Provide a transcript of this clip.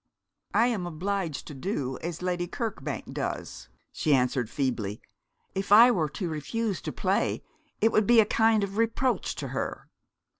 'I am obliged to do as Lady Kirkbank does,' she answered feebly. 'If I were to refuse to play it would be a kind of reproach to her.'